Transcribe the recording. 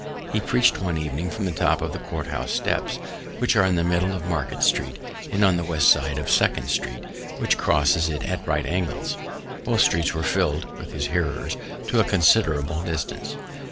He preach'd one evening from the top of the Courthouse steps, which are in the middle of Market street, and on the west side of Second street, which crosses it at right angles. Both streets were fill'd with his hearers to a considerable distance.